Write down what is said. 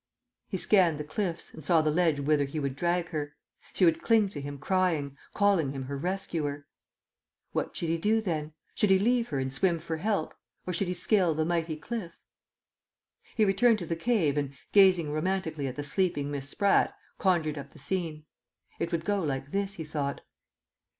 He scanned the cliffs, and saw the ledge whither he would drag her. She would cling to him crying, calling him her rescuer.... What should he do then? Should he leave her and swim for help? Or should he scale the mighty cliff? He returned to the cave and, gazing romantically at the sleeping Miss Spratt, conjured up the scene. It would go like this, he thought.